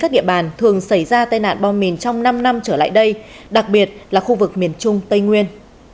đặc biệt là khu vực miền trung tây nguyên